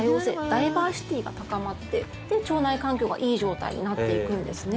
ダイバーシティーが高まって腸内環境がいい状態になっていくんですね。